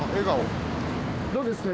どうですか？